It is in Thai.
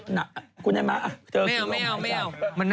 ใหม่